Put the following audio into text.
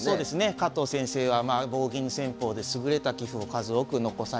加藤先生は棒銀戦法で優れた棋譜を数多く残されています。